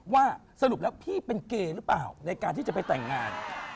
ว่าสรุปแล้วพี่เป็นเกย์หรือเปล่าในการที่จะไปแต่งงาน